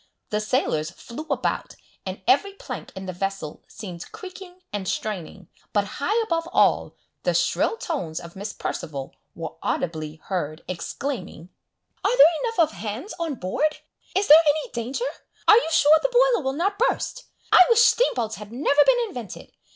The sailors flew about, and every plank in the vessel seemed creaking and straining, but high above all, the shrill tones of Miss Perceval were audibly heard, exclaiming, "Are there enough of 'hands' on board? Is there any danger? Are you sure the boiler will not burst? I wish steam boats had never been invented!